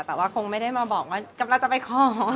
แต่ว่าคงไม่ได้มาบอกว่ากำลังจะไปขออะไรอย่างนี้ค่ะ